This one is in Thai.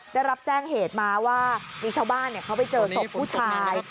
ได้รับแจ้งเหตุมาว่ามีชาวบ้านมีโทษพูดชาย